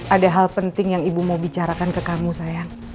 ada hal penting yang ibu mau bicarakan ke kamu sayang